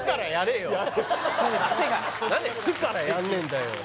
癖が何で「ス」からやんねえんだよ